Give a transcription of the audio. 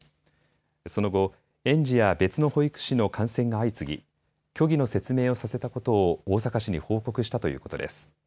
その後、園児や別の保育士の感染が相次ぎ虚偽の説明をさせたことを大阪市に報告したということです。